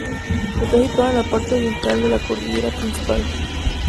Está situado en la parte oriental de la cordillera principal.